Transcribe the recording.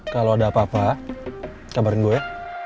kalau ada apa apa kabarin gue ya